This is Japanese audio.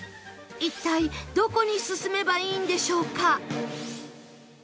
一体どこに進めばいいんでしょうか？